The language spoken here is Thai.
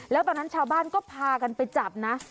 แล้วตอนนั้นชาวบ้านก็พากันไปจับนะ